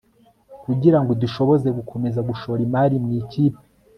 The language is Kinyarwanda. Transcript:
kugirango idushoboze gukomeza gushora imari mu ikipe